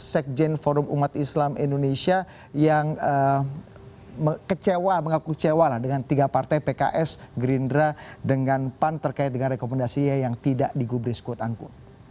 sekjen forum umat islam indonesia yang kecewa mengaku kecewa lah dengan tiga partai pks gerindra dengan pan terkait dengan rekomendasi yang tidak digubris quote unquote